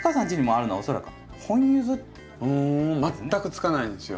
全くつかないんですよ。